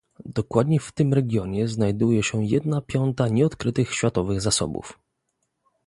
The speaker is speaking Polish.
Dokładnie w tym regionie znajduje się jedna piąta nieodkrytych światowych zasobów